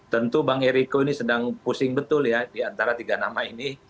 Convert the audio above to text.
tentu bang eriko ini sedang pusing betul ya diantara tiga nama ini